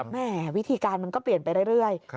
วิธีการมันก็เปลี่ยนไปเรื่อย